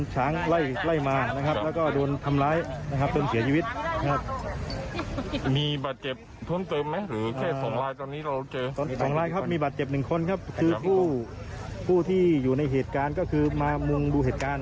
ช้างได้ทำร้ายจนซิกงด้านฝานะครับ